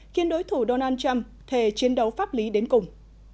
khiến đối thủ donald trump thề chiến đấu pháp lý đến cùng